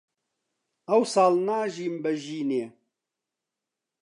ئەوساڵ ناژیم بە ژینێ